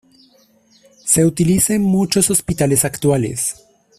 Se utiliza en muchos hospitales actuales.